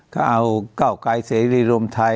เขาเอาก้าวที่ดีรวมไทย